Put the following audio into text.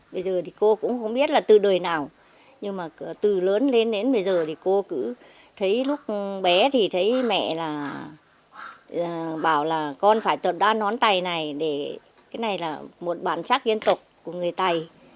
bây giờ thì cô cũng không biết là từ đời nào nhưng mà từ lớn lên đến bây giờ thì cô cứ thấy lúc bé thì thấy mẹ là bảo là con phải tận đoan nón tài này để cái này là một bản sắc kiên tục của người tài